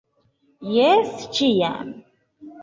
Jes, ĉiam!